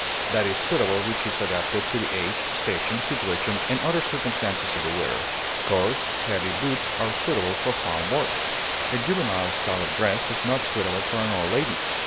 That is suitable which is adapted to the age, station, situation, and other circumstances of the wearer; coarse, heavy boots are suitable for farm work; a juvenile style of dress is not suitable for an old lady.